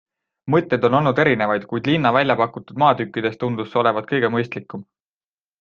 Mõtteid on olnud erinevaid, kuid linna väljapakutud maatükkidest tundus see olevat kõige mõistlikum.